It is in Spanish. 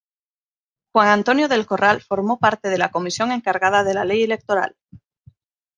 Juan Antonio del Corral formó parte de la comisión encargada de la ley electoral.